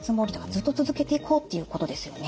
ずっと続けていこうっていうことですよね。